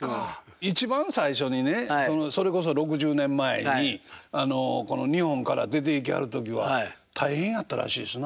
一番最初にねそれこそ６０年前に日本から出ていきはる時は大変やったらしいですな。